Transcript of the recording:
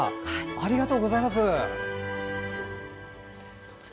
ありがとうございます。